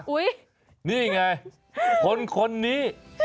อุ๊ยนี่ไงคนนี้